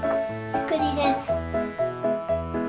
くりです。